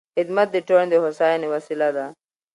خدمت د ټولنې د هوساینې وسیله ده.